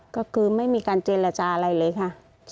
ก็คือไม่มีการเจรจาอะไรเลยค่ะ